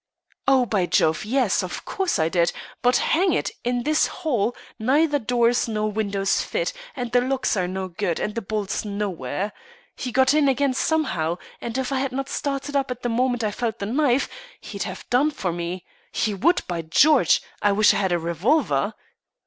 "Oh, by Jove, yes of course I did; but, hang it, in this hole, neither doors nor windows fit, and the locks are no good, and the bolts nowhere. He got in again somehow, and if I had not started up the moment I felt the knife, he'd have done for me. He would, by George. I wish I had a revolver."